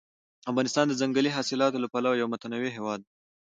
افغانستان د ځنګلي حاصلاتو له پلوه یو متنوع هېواد دی.